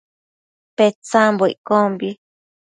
Petsambo iccombi